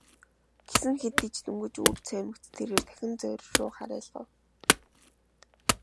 Гэсэн хэдий ч дөнгөж үүр цаймагц тэрээр дахин зоорьруу харайлгав.